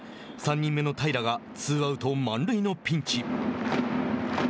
３人目の平良がツーアウト満塁のピンチ。